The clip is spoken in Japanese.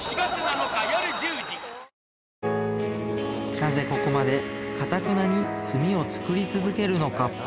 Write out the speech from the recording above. なぜここまでかたくなに炭を作り続けるのか？